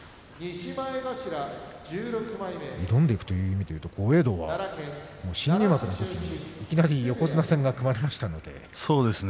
挑んでいくという意味でいうと豪栄道はいきなり横綱戦が組まれましたね。